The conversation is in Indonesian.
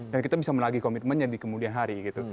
dan kita bisa melalui komitmennya di kemudian hari gitu